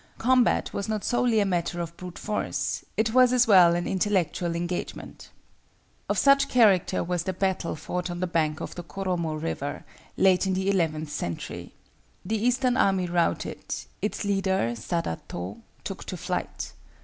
Combat was not solely a matter of brute force; it was, as well, an intellectual engagement. Of such character was the battle fought on the bank of the Koromo River, late in the eleventh century. The eastern army routed, its leader, Sadato, took to flight.